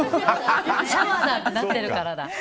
シャワーだ！ってなってるから。